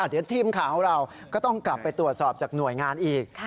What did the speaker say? เดี๋ยวทีมข่าวของเราก็ต้องกลับไปตรวจสอบจากหน่วยงานอีก